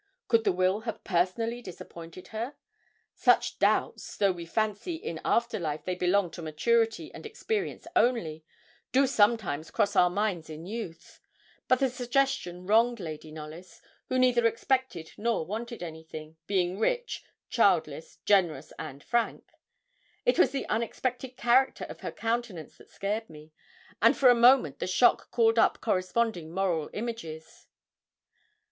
Could the will have personally disappointed her? Such doubts, though we fancy in after life they belong to maturity and experience only, do sometimes cross our minds in youth. But the suggestion wronged Lady Knollys, who neither expected nor wanted anything, being rich, childless, generous, and frank. It was the unexpected character of her countenance that scared me, and for a moment the shock called up corresponding moral images.